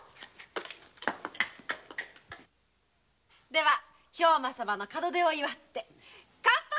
では兵馬様の門出を祝って乾杯。